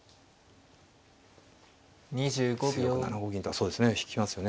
強く７五銀とはそうですね引きますよね